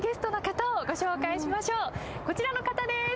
こちらの方です。